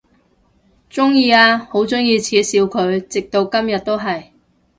鍾意啊，好鍾意恥笑佢，直到今日都係！